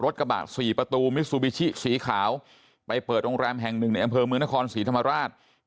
กระบะสี่ประตูมิซูบิชิสีขาวไปเปิดโรงแรมแห่งหนึ่งในอำเภอเมืองนครศรีธรรมราช